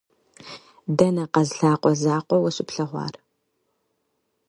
Дэнэ къаз лъакъуэ закъуэ уэ щыплъэгъуар!